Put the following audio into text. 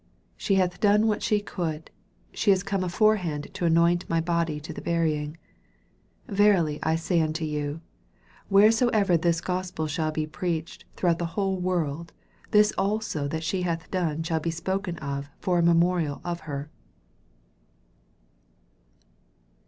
8 She hath done what she could : she is come aforehand to anoint my body to the burying. 9 Verily I say unto you, "Whereso ever this Gospel shall be preached throughout the whole world, this also that sue hath done shall be spoken of for a memorial of her.